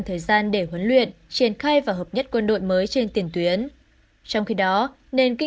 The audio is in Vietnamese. thời gian để huấn luyện triển khai và hợp nhất quân đội mới trên tiền tuyến trong khi đó nền kinh